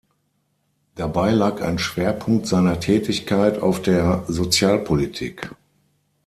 Dabei lag ein Schwerpunkt seiner Tätigkeit auf der Sozialpolitik.